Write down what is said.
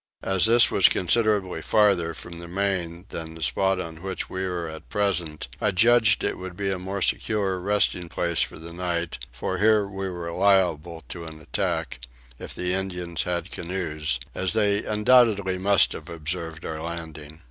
As this was considerably farther from the main than the spot on which we were at present I judged it would be a more secure resting place for the night, for here we were liable to an attack, if the Indians had canoes, as they undoubtedly must have observed our landing.